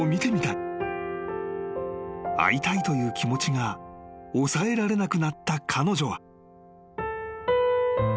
［会いたいという気持ちが抑えられなくなった彼女は］